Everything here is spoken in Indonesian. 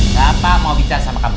bapak mau bicara sama kamu